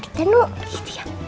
dari tenu gitu ya